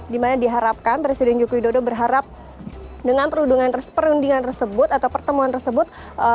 di mana diharapkan presiden joe kido berharap dengan perundingan tersebut atau pertemuan tersebut